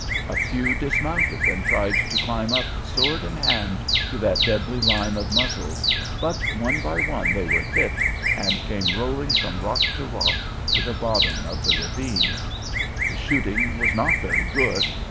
A few dismounted and tried to climb up sword in hand to that deadly line of muzzles, but one by one they were hit, and came rolling from rock to rock to the bottom of the ravine. The shooting was not very good.